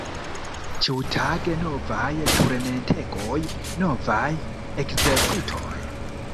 Ĉiutage novaj turmentegoj, novaj ekzekutoj!